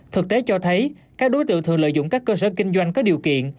thực tế cho thấy các đối tượng thường lợi dụng các cơ sở kinh doanh có điều kiện